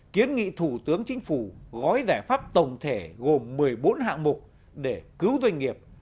kiến nghị thủ tướng chính phủ gói giải pháp tổng thể gồm một mươi bốn hạng mục để cứu doanh nghiệp